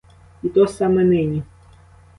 І то саме нині.